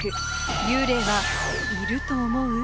幽霊はいると思う？